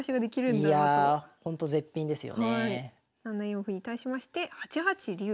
７四歩に対しまして８八竜。